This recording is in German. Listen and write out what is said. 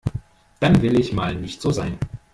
Dann will ich mal nicht so sein.